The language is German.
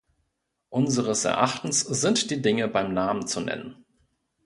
Unseres Erachtens sind die Dinge beim Namen zu nennen.